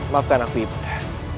maafkan aku ibu dan